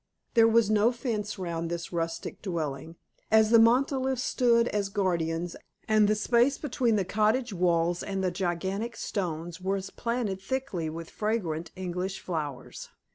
There was no fence round this rustic dwelling, as the monoliths stood as guardians, and the space between the cottage walls and the gigantic stones was planted thickly with fragrant English flowers.